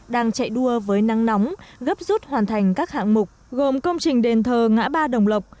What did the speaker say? đang chạy đua với nắng nóng gấp rút hoàn thành các hạng mục gồm công trình đền thờ ngã ba đồng lộc